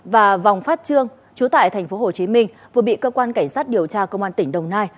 và vòng phát trương chú tại tp hcm vừa bị cơ quan cảnh sát điều tra công an tỉnh đồng nai